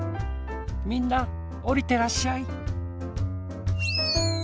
みんなおりてらっしゃい。